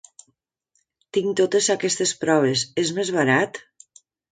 Tinc totes aquestes proves, és més barat?